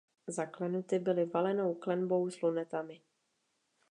Zaklenuty byly valenou klenbou s lunetami.